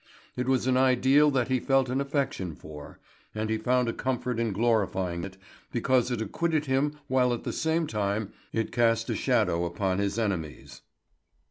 It was an ideal that he felt an affection for, and he found a comfort in glorifying it, because it acquitted him while at the same time it cast a shadow upon his enemies.